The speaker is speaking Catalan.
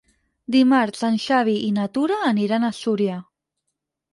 Dimarts en Xavi i na Tura aniran a Súria.